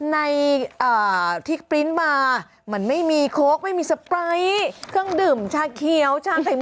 ในที่ปริ้นต์มามันไม่มีโค้กไม่มีสไปร์เครื่องดื่มชาเขียวชาใส่หม